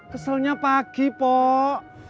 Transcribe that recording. keselnya pagi pok